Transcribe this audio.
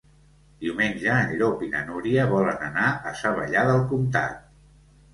Diumenge en Llop i na Núria volen anar a Savallà del Comtat.